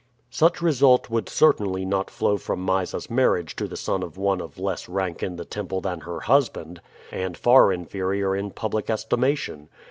Such result would certainly not flow from Mysa's marriage to the son of one of less rank in the temple than her husband, and far inferior in public estimation.